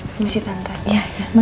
ya makasih banyak ya amin amin